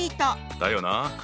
だよな！